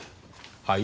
はい？